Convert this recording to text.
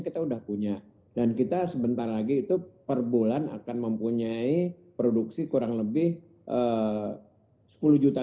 kita sudah punya dan kita sebentar lagi itu per bulan akan mempunyai produksi kurang lebih sepuluh juta